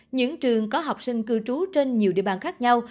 những trường có học sinh cư trú trên nhiều địa bàn khác nhau